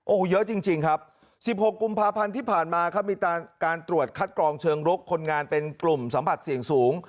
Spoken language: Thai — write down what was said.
โอ้โหเยอะจริงครับ๑๖กุมภาพันธ์ที่ผ่านมาครับมีการตรวจคัดกรองเชิงรุกคนงานเป็นกลุ่มสัมผัสเสี่ยงสูง